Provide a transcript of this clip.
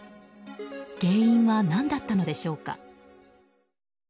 原因は何だったのでしょうか。